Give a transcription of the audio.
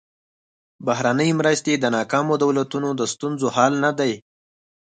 بهرنۍ مرستې د ناکامو دولتونو د ستونزو حل نه دي.